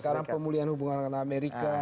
sekarang pemulihan hubungan dengan amerika